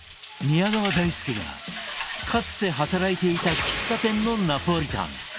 宮川大輔がかつて働いていた喫茶店のナポリタン。